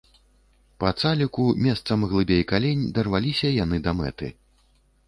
Па цаліку, месцам глыбей калень, дарваліся яны да мэты.